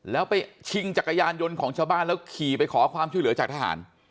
แล้วไปชิงจักรยานยนต์ของชาวบ้านแล้วขี่ไปขอความช่วยเหลือจากทหาร